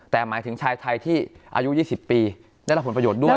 แต่หมายถึงชายไทยที่อายุ๒๐ปีได้รับผลประโยชน์ด้วย